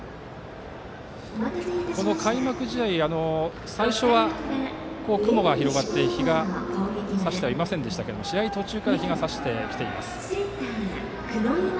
この開幕試合最初は雲が広がって日がさしていませんでしたが試合途中から日がさしてきています。